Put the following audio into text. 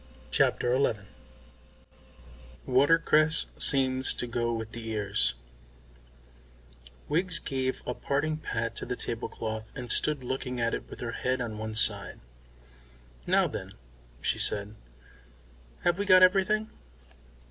CHAPTER XI WATERCRESS SEEMS TO GO WITH THE EARS Wiggs gave a parting pat to the tablecloth and stood looking at it with her head on one side. "Now, then," she said, "have we got everything?"